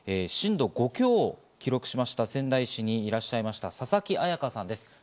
震度５強を記録しました仙台市にいらっしゃいました、佐々木彩香さんです。